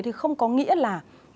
thì không có nghĩa là